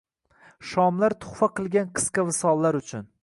Shomlar tuhfa qilgan qisqa visollar uchun.